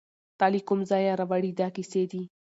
تاله کوم ځایه راوړي دا کیسې دي